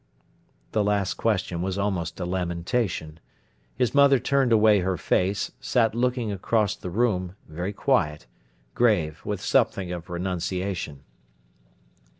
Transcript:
The last question was almost a lamentation. His mother turned away her face, sat looking across the room, very quiet, grave, with something of renunciation.